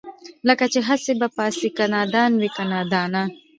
لکه دئ هسې به پاڅي که نادان وي که دانا